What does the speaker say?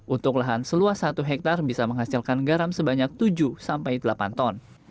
untuk lahan seluas satu hektare bisa menghasilkan garam sebanyak tujuh sampai delapan ton